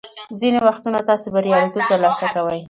ځینې وختونه تاسو بریالیتوب ترلاسه کوئ.